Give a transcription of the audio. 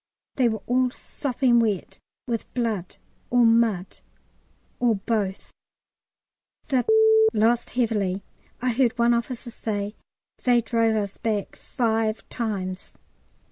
They were all sopping wet with blood or mud or both. The lost heavily. I heard one officer say, "They drove us back five times."